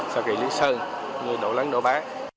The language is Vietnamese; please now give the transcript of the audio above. sau khi lý sơn người đổ lánh đổ bá